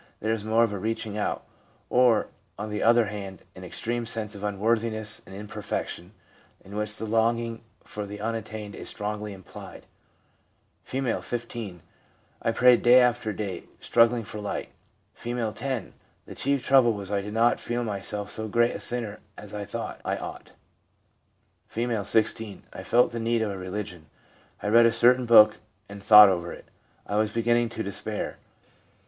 There is more of a reaching out, or, on the other hand, an extreme sense of unworthiness and imperfec tion, in which the longing for the unattained is strongly implied. R, 15. * I prayed day after day, struggling for light/ F., 10. 'The chief trouble was I did not feel myself so great a sinner as I thought I ought.' R, 16. ' I felt the need of a religion. I read a certain book and thought over it. I was beginning to despair.'